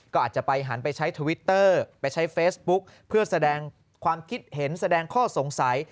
ก็อาจจะไปหันไปใช้ทวิตเตอร์ไปใช้เฟซบุ๊กเพื่อแสดงความคิดเห็นแสดงข้อสงสัย